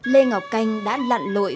lê ngọc canh đã lặn lội